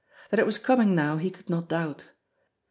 That it was coming now he could not doubt.